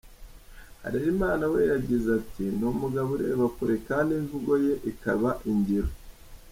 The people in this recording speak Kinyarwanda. Harerimana we yagize ati “Ni umugabo ureba kure kandi imvugo ye ikaba ingiro.